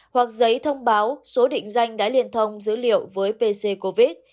hoặc giấy thông báo số định danh đã liên thông dữ liệu với pc covid